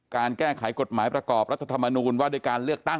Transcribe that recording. การแก้ไขกฎหมายประกอบรัฐธรรมนูญว่าด้วยการเลือกตั้ง